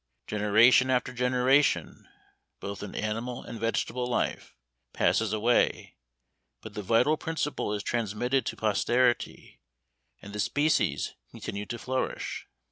Generation after generation, both in animal and vegetable life, passes away, but the vital principle is transmitted to posterity, and the species continue to flourish.